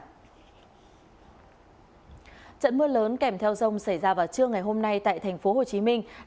trận mưa lớn kèm theo rông xảy ra vào trưa ngày hôm nay tại tp hcm